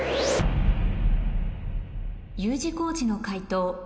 Ｕ字工事の解答